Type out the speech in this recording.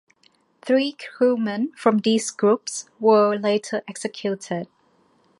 Three crewmen from these groups were later executed.